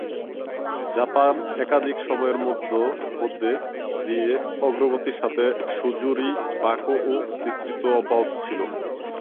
Japan একাধিক সময়ের মধ্যে দিয়ে অগ্রগতির সাথে সুজুরি-বাকোও বিস্তৃত অব্যাহত ছিল।